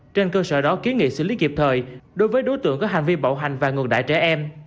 trên cơ sở đó kiến nghị xử lý kịp thời đối với đối tượng có hành vi bạo hành và ngược đại trẻ em